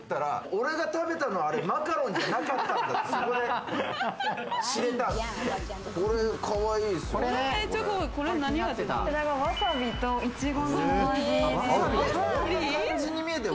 俺が食べたのは、あれ、マカロンじゃなかったんだって。